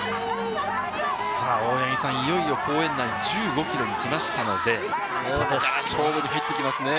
大八木さん、いよいよ公園内、１５ｋｍに来ましたので、ここから勝負に入ってきますね。